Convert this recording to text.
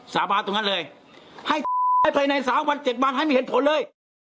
สามารถตรงนั้นเลยให้ภายในสามวันเจ็ดวันให้มีเห็นผลเลย